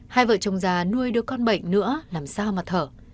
hai vợ chồng già nuôi được con bệnh nữa làm sao mà thở